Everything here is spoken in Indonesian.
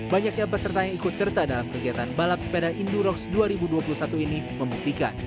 banyaknya peserta yang ikut serta dalam kegiatan balap sepeda endurox dua ribu dua puluh satu ini membuktikan